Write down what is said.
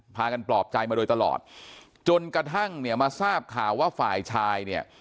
พากันปลอบใจมาโดยตลอดจนกระทั่งเนี่ยมาทราบข่าวว่าฝ่ายชายเนี่ย